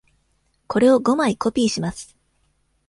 これを五枚コピーします。